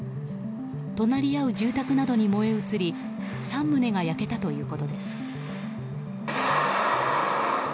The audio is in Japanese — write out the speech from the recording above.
隣り合う住宅などに燃え移り３棟が焼けたということです。